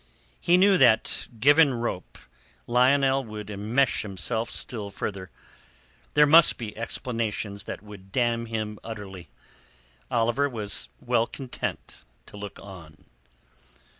He knew that given rope Lionel would enmesh himself still further. There must be explanations that would damn him utterly. Oliver was well content to look on.